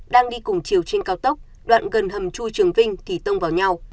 đang đi cùng chiều trên cao tốc đoạn gần hầm chui trường vinh thì tông vào nhau